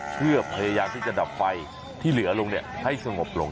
เพื่อพยายามที่จะดับไฟที่เหลือลงให้สงบลง